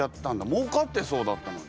もうかってそうだったのに。